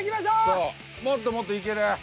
そうもっともっといける。